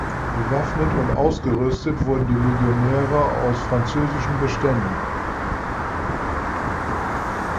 Bewaffnet und ausgerüstet wurden die Legionäre aus französischen Beständen.